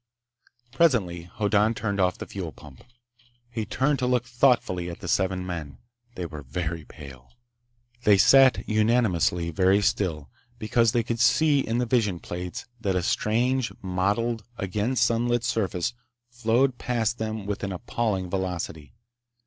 Presently Hoddan turned off the fuel pump. He turned to look thoughtfully at the seven men. They were very pale. They sat unanimously very still, because they could see in the vision plates that a strange, mottled, again sunlit surface flowed past them with an appalling velocity.